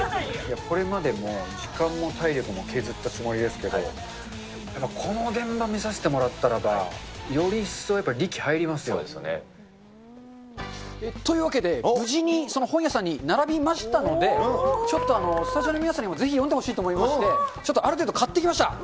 これまでも時間も体力も削ったつもりですけど、なんかこの現場見させてもらったらば、より一層やっぱ、力入りますよね。というわけで、無事に本屋さんに並びましたので、ちょっとスタジオの皆さんにもぜひ読んでほしいと思いまして、ちょっとある程度、買ってきました。